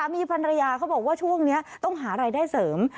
มีภรรยาเขาบอกว่าช่วงนี้ต้องหารายได้เสริม